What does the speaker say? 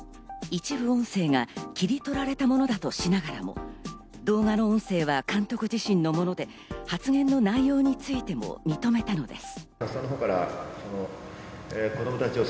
一部音声が切り取られたものだとしながらも、動画の音声は監督自身のもので、発言の内容についても認めたのです。